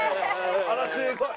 あらすごい。